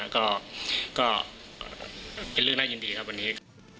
ก็เป็นเรื่องน่ายินดีครับวันนี้